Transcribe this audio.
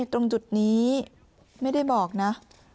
ตรงจุดนี้ไม่ได้บอกนะ